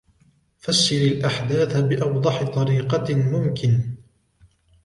فسر الأحداث بأوضح طريقة ممكن.